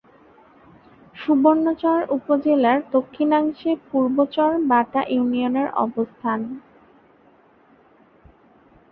সুবর্ণচর উপজেলার দক্ষিণাংশে পূর্ব চর বাটা ইউনিয়নের অবস্থান।